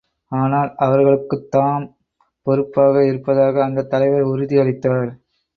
ஆனால், அவர்களுக்குத் தாம் பொறுப்பாக இருப்பதாக அந்தத் தலைவர் உறுதி அளித்தார்.